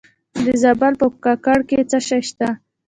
د زابل په کاکړ کې څه شی شته؟